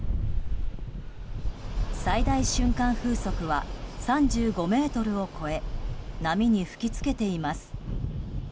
最大瞬間風速は３５メートルを超え波に吹き付けています。